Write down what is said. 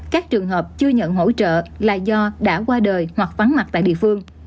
các trường hợp chưa nhận hỗ trợ là do đã qua đời hoặc vắng mặt tại địa phương